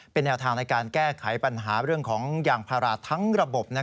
เป็นแนวทางในการแก้ไขปัญหาเรื่องของยางพาราทั้งระบบ